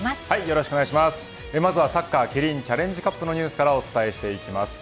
まずはサッカーキリンチャレンジカップのニュースからお伝えしていきます。